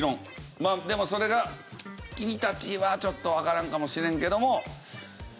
まあでもそれが君たちはちょっとわからんかもしれんけども。